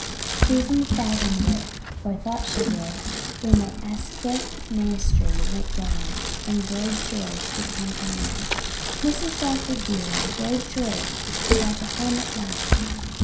Susan fathomed it or thought she did when the Asquith ministry went down and Lloyd George became Premier. "Mrs. Dr. dear, Lloyd George is at the helm at last.